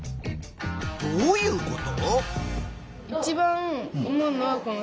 どういうこと？